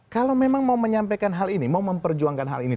kalau kita ini mau memperjuangkan hal ini